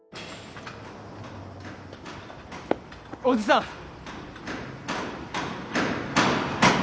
おじさん！